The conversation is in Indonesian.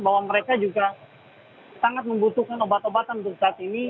bahwa mereka juga sangat membutuhkan obat obatan untuk saat ini